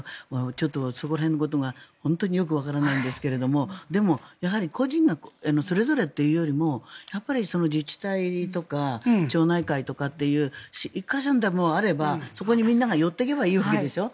そこら辺のことが本当によくわからないんですがでも、個人がそれぞれというよりも自治体とか町内とかという１か所にでもあればそこにみんなが寄っていけばいいわけでしょ。